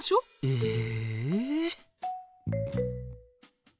ええ。